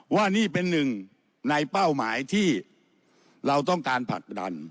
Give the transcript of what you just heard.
ว่านี่เป็นหนึ่งในเป้าหมายที่เราต้องการผลักดัน